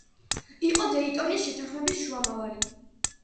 იყო დეიტონის შეთანხმების შუამავალი.